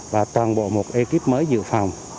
và toàn bộ một ekip mới dự phòng